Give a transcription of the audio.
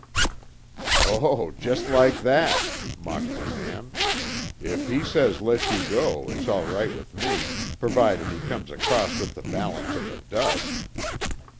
"Oh, jest like that!" mocked the man. "If he says let you go, it's all right with me, pervided he comes acrost with the balance of the dust."